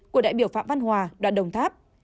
của đại biểu phạm văn hòa đoạn đồng tháp